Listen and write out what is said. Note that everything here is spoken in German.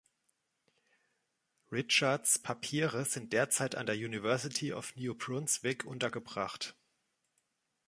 Richards' Papiere sind derzeit an der University of New Brunswick untergebracht.